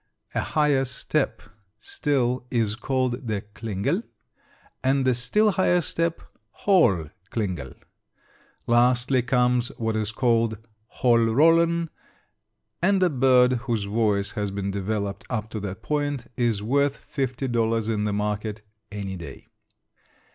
A higher step still is called the klingel, and a still higher step hohl klingel. Lastly comes what is called hol rollen, and a bird whose voice has been developed up to that point is worth $50 in the market any day.